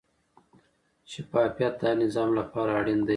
شفافیت د هر نظام لپاره اړین دی.